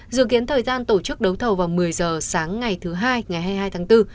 dự kiến thời gian tổ chức đấu thầu vào một mươi giờ sáng ngày thứ hai ngày hai mươi hai tháng bốn